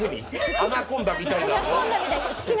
アナコンダみたいな。